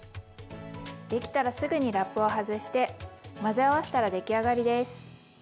できたらすぐにラップを外して混ぜ合わしたら出来上がりです。